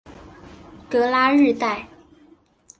戈拉日代。